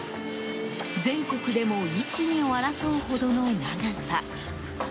全国でも１、２を争うほどの長さ。